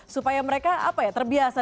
supaya mereka apa ya terbiasa